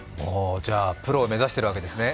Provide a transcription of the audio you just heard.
じゃあ、プロを目指しているわけですね。